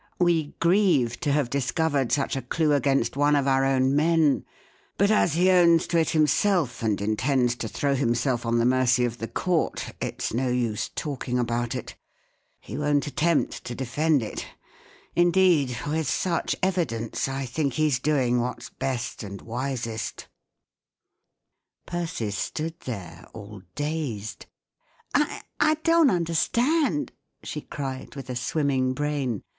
We grieve to have discovered such a clue against one of our own men ; but as he owns to it himself, and intends to throw himself on the mercy of the Court, it's no use talking about it He won't attempt to de¬ fend it; indeed, with such evidence, I think he's doing whafs best and wisest" Persis stood there, all dazed. " I—I don't understand," she cried, with a swim¬ ming brain.